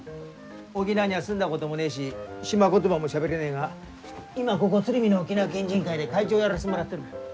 沖縄には住んだこともねえし島言葉もしゃべれねえが今はここ鶴見の沖縄県人会で会長をやらせてもらってる。